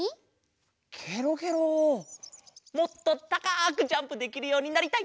もっとたかくジャンプできるようになりたい。